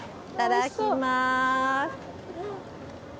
いただきます。